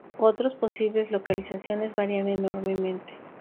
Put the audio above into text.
Otros posibles localizaciones varían enormemente.